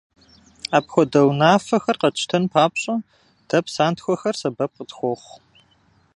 Апхуэдэ унафэхэр къэтщтэн папщӀэ, дэ псантхуэхэр сэбэп къытхуохъу.